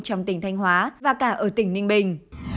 trong tỉnh thanh hóa và cả ở tỉnh ninh bình